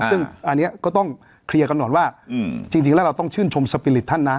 ซึ่งอันนี้ก็ต้องเคลียร์กันก่อนว่าจริงแล้วเราต้องชื่นชมสปีริตท่านนะ